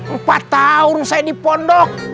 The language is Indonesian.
empat tahun saya di pondok